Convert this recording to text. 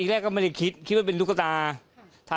อีกแรกก็ไม่ได้คิดคิดว่าเป็นตุ๊กตาก็เป็นตุ๊กตาก